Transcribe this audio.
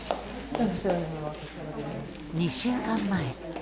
２週間前。